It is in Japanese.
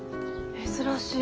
珍しい。